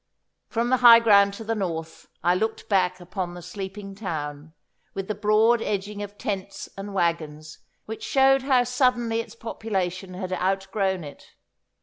From the high ground to the north I looked back upon the sleeping town, with the broad edging of tents and waggons, which showed how suddenly its population had outgrown it.